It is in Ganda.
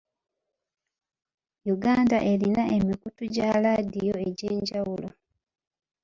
Uganda erina emikutu gya laadiyo egy'enjawulo.